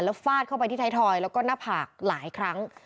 ฟาดเข้าไปที่ไทยทอยแล้วก็หน้าผากหลายครั้ง